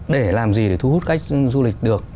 để làm gì để thu hút cách du lịch được